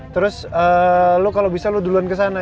terus lo kalau bisa lo duluan ke sana